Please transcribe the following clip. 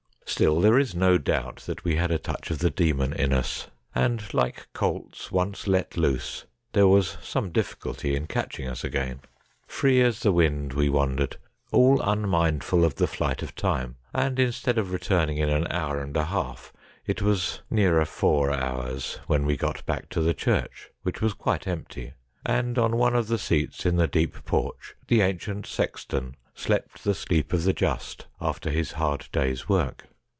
Still, there is no doubt that we had a touch of the demon in us, and like colts once let loose there was some difficulty in catching us again. Free as the wind we wandered, all unmindful of the flight of time, and instead of returning in an hour and a half, it was nearer four hours when we got back to the church, which was quite empty, and on one of the seats in the deep porch the ancient sexton slept the sleep of the just after his hard day's work.